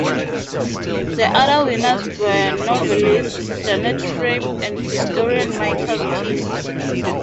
The other winners were novelist Janet Frame and historian Michael King.